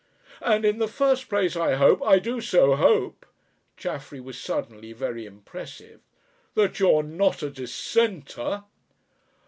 And in the first place I hope I do so hope" Chaffery was suddenly very impressive "that you're not a Dissenter."